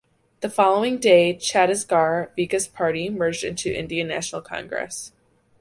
The following day Chhattisgarh Vikas Party merged into the Indian National Congress.